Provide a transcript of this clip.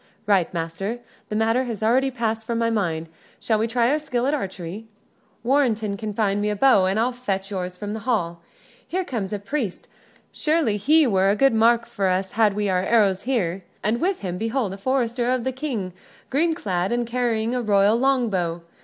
"Right, master; the matter has already passed from my mind. Shall we try our skill at archery? Warrenton can find me a bow, and I'll fetch yours from the hall. Here comes a priest; surely he were good mark for us had we our arrows here! And with him behold a forester of the King green clad and carrying a royal longbow.